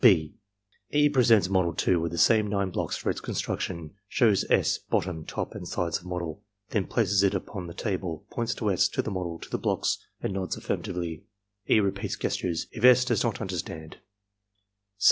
(6) E. presents model 2 with the nine blocks for its construc tion; shows S. bottom, top, and sides of model; then places it upon the table, points to S., to the model, to the blocks, and nods afiirmatively. E. repeats gestures, if S. does not under stand.